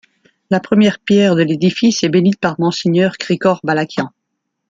La première pierre de l'édifice est bénite le par Monseigneur Krikor Balakian.